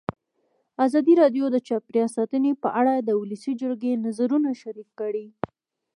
ازادي راډیو د چاپیریال ساتنه په اړه د ولسي جرګې نظرونه شریک کړي.